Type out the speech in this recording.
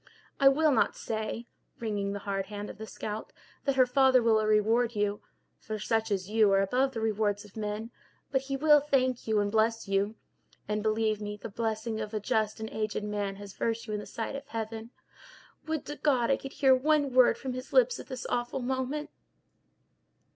I will not say," wringing the hard hand of the scout, "that her father will reward you—for such as you are above the rewards of men—but he will thank you and bless you. And, believe me, the blessing of a just and aged man has virtue in the sight of Heaven. Would to God I could hear one word from his lips at this awful moment!"